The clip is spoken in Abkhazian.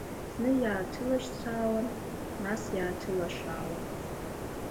Ӡны иааҭылашьцаауан, нас иааҭылашаауан.